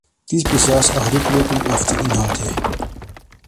Dies besaß auch Rückwirkung auf die Inhalte.